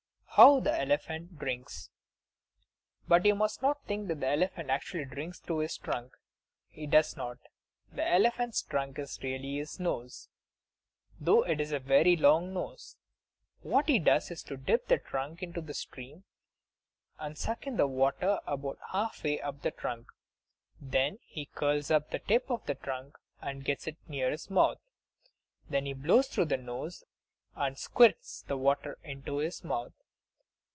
How the Elephant Drinks But you must not think that an elephant actually drinks through his trunk! He does not! The elephant's trunk is really his nose, though it is a very long nose. What he does is to dip the trunk into the stream and suck in the water about halfway up the trunk; then he curls up the tip of the trunk and gets it near his mouth; then he blows through the nose, and squirts the water into his mouth.